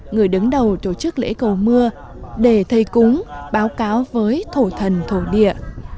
người đứng đầu tổ chức lễ cầu mưa để thầy cúng báo cáo với thổ thần thổ địa